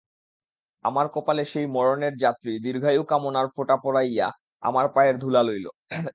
আমার কপালে সেই মরণের যাত্রী দীর্ঘায়ুকামনার ফোঁটা পরাইয়া আমার পায়ের ধূলা লইল।